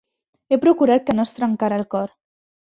He procurat que no es trencara el cor.